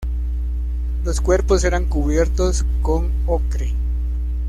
Los cuerpos eran cubiertos con ocre.